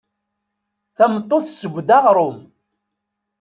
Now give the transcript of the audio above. Tameṭṭut tessew-d aɣṛum.